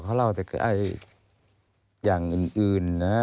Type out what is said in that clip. เขาเล่าอย่างอื่นนะ